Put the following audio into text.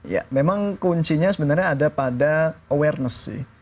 ya memang kuncinya sebenarnya ada pada awareness sih